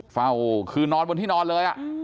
เฝ้าคือนอนบนที่นอนเลย